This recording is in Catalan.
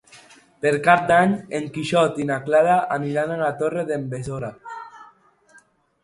Per Cap d'Any en Quixot i na Clara aniran a la Torre d'en Besora.